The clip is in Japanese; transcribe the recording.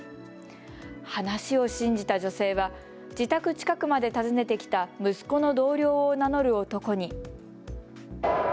話を信じた女性は自宅近くまで訪ねてきた息子の同僚を名乗る男に。